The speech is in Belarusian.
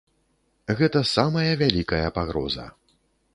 Гэта самая вялікая пагроза.